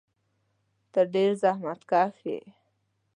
ته ډېر زحمتکښ یې.